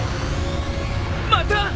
また！